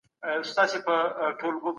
پاکو سوو ځمکو کي بیا کرکیله کیده.